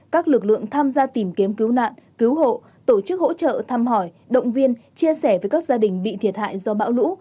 các lực lượng tham gia tìm kiếm cứu nạn cứu hộ tổ chức hỗ trợ thăm hỏi động viên chia sẻ với các gia đình bị thiệt hại do bão lũ